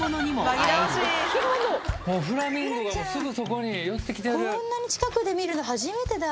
こんなに近くで見るの初めてだ。